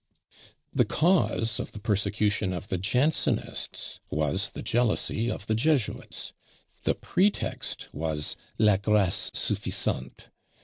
The cause of the persecution of the Jansenists was the jealousy of the Jesuits; the pretext was la grace suffisante.